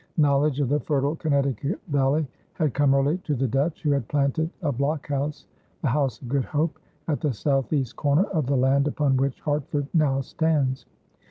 Knowledge of the fertile Connecticut valley had come early to the Dutch, who had planted a blockhouse, the House of Good Hope, at the southeast corner of the land upon which Hartford now stands.